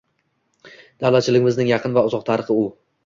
Davlatchiligimizning yaqin va uzoq tarixi u.